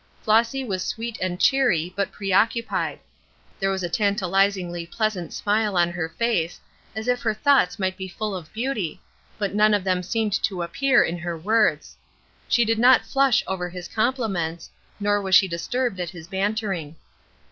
Flossy was sweet and cheery, but preoccupied. There was a tantalizingly pleasant smile on her face, as if her thoughts might be full of beauty, but none of them seemed to appear in her words. She did not flush over his compliments, nor was she disturbed at his bantering.